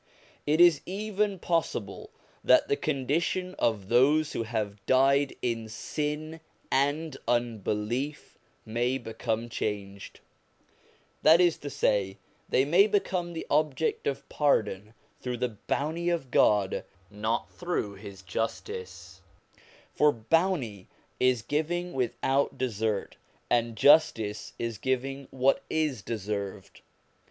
It is even possible that the condition of those who have died in sin and unbelief may become changed ; that is to say, they may become the object of pardon through the bounty of God, not through His justice ; for bounty is giving without desert, and justice is giving what is deserved.